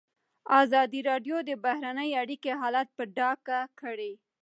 ازادي راډیو د بهرنۍ اړیکې حالت په ډاګه کړی.